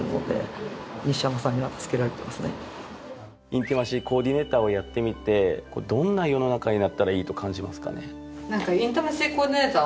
インティマシー・コーディネーターをやってみてどんな世の中になったらいいと感じますかね？